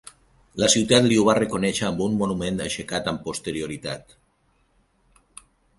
La ciutat li ho va reconèixer amb un monument aixecat amb posterioritat.